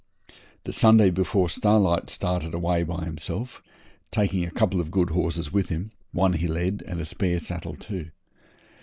The Sunday before Starlight started away by himself, taking a couple of good horses with him one he led, and a spare saddle too.